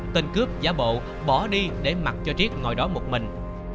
tên cướp giả bộ bỏ đi để mặc cho triết ngồi đó một mình